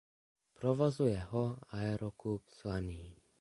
Provozuje ho Aeroklub Slaný.